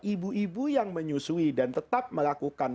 ibu ibu yang menyusui dan tetap melakukan